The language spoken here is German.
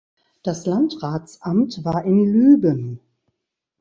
Das Landratsamt war in Lüben.